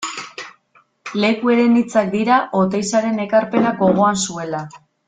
Lekueren hitzak dira, Oteizaren ekarpena gogoan zuela.